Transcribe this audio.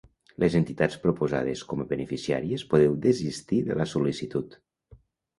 Les entitats proposades com a beneficiàries podeu desistir de la sol·licitud.